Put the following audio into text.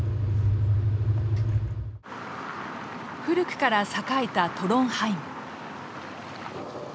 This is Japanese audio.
古くから栄えたトロンハイム。